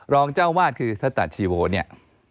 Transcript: รองเจ้าวาดคือทตะชีโวเนี่ย